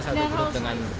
satu grup dengan siapa